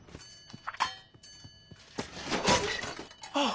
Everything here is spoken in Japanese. あっ！